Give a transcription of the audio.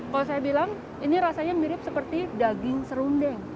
kalau saya bilang ini rasanya mirip seperti daging serundeng